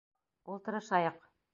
Ултырышайыҡ.